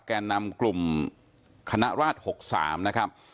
แก่นำกลุ่มคณะราช๖๓นะครับ